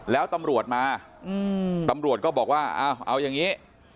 แล้วตำรวจมาตำรวจก็บอกว่าเอาอย่างนี้